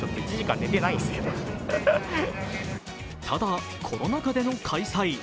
ただ、コロナ禍での開催。